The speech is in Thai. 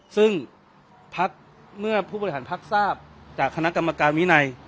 ซึ่งพักเมื่อผู้บริหารพักทราบจากคณะกรรมการวินัย